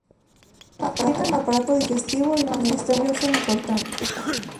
Tienen aparato digestivo y un sistema nervioso importante.